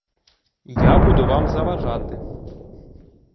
Я буду вам заважати.